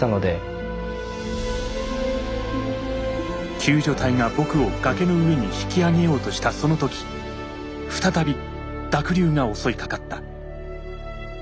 救助隊が僕を崖の上に引き上げようとしたその時再び濁流が襲いかかった。